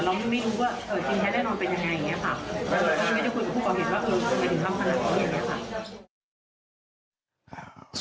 ไม่ได้คุยกับผู้ปกติว่าคุณผู้ตายถึงทำอะไรอย่างนี้ค่ะ